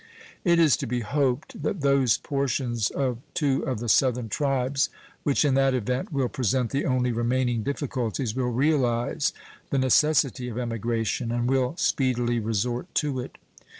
It is to be hoped that those portions of two of the Southern tribes, which in that event will present the only remaining difficulties, will realize the necessity of emigration, and will speedily resort to it.